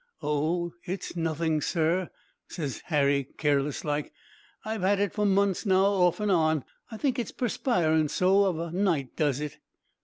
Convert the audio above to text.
"'Oh, it's nothing, sir,' ses Harry, careless like. 'I've 'ad it for months now off and on. I think it's perspiring so of a night does it.'